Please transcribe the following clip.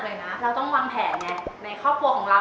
เราต้องวางแผนไงในครอบครัวของเรา